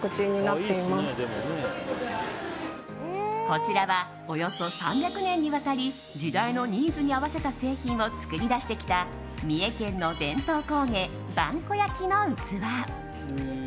こちらはおよそ３００年にわたり時代のニーズに合わせた製品を作り出してきた三重県の伝統工芸、萬古焼の器。